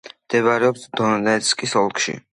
მდებარეობს დონეცკის ოლქში.